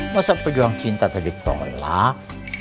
masa pejuang cinta tadi tolak